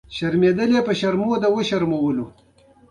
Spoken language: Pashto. د سفر نه وروسته یادښتونه وساته، راتلونکي ته ګټور دي.